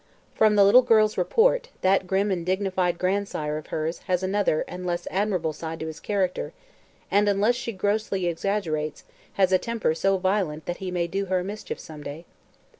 From the little girl's report, that grim and dignified grandsire of hers has another and less admirable side to his character and, unless she grossly exaggerates, has a temper so violent that he may do her a mischief some day."